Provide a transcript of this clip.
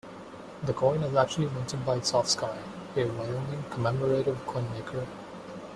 The coin is actually minted by SoftSky, a Wyoming commemorative coin maker.